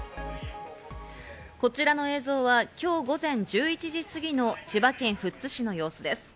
こちらの映像は今日午前１１時すぎの千葉県富津市の様子です。